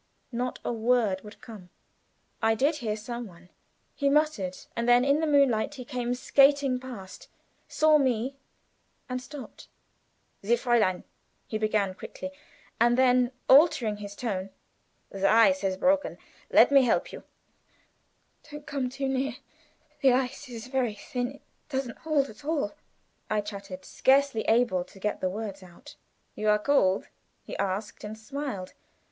Not a word would come. "I did hear some one," he muttered, and then in the moonlight he came skating past, saw me, and stopped. "Sie, Fräulein!" he began, quickly, and then altering his tone. "The ice has broken. Let me help you." "Don't come too near; the ice is very thin it doesn't hold at all," I chattered, scarcely able to get the words out. "You are cold?" he asked, and smiled.